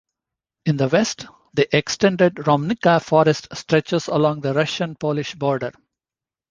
In the west, the extended Romincka Forest stretches along the Russian-Polish border.